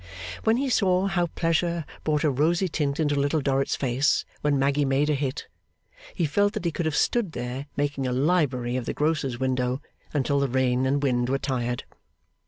When he saw how pleasure brought a rosy tint into Little Dorrit's face when Maggy made a hit, he felt that he could have stood there making a library of the grocer's window until the rain and wind were tired.